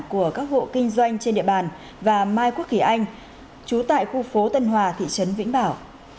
của các hộ kinh doanh trên địa bàn và mai quốc kỳ anh chú tại khu phố tân hòa thị trấn vĩnh bảo